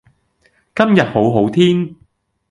今日好好天